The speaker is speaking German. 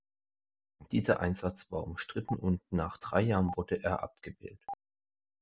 Dieser Einsatz war umstritten, und nach drei Jahren wurde er abgewählt.